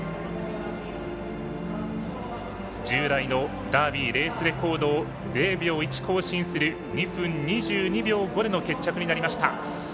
従来のダービーレースレコードを０秒１更新する２分２２秒５での決着になりました。